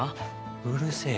うるせえ。